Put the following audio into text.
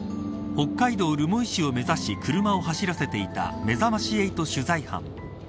北海道留萌市を目指し車を走らせていためざまし８取材班。